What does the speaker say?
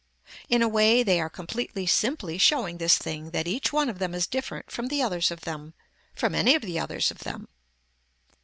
In a way they are completely simply showing this thing that each one of them is different from the others of them, from any of the others of them.